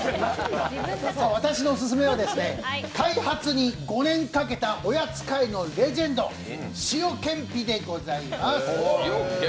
私のオススメは、開発に５年かけたおやつ界のレジェンド、塩けんぴでございます。